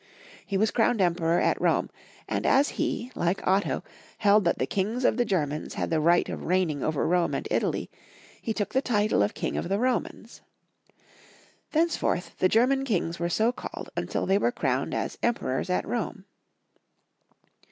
He was crowned Em peror at Rome, and as he, like Otto, held that the Kings of the Germans had the right of reigning over Rome and Italy, he took the title of King of the Romans. Thenceforth the German Kings were so called until they were crowned as Emperors at Rome.